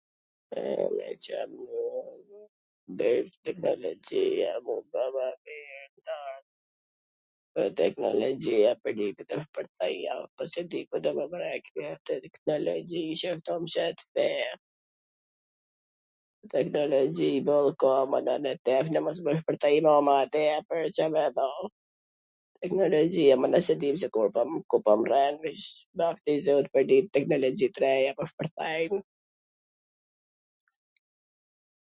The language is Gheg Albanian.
... Teknologjia m u ba ... teknologji qw a tu m shit feen.. teknologji boll ka mana .... Teknologjia mana s e dim se ku po ... lavdi zotit po teknologji t reja po shpwrthejn...